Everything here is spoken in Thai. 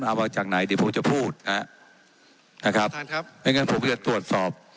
เอามาจากไหนเดี๋ยวผมจะพูดนะฮะนะครับท่านครับไม่งั้นผมจะตรวจสอบ